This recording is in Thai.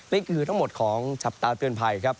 นี่คือทั้งหมดของจับตาเตือนภัยครับ